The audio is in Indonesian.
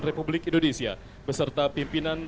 republik indonesia beserta pimpinan